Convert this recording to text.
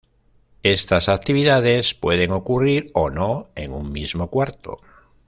Estas actividades pueden ocurrir o no en un mismo cuarto.